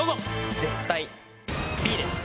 絶対Ｂです。